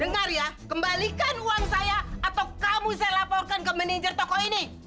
dengar ya kembalikan uang saya atau kamu saya laporkan ke manajer toko ini